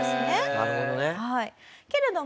なるほどね。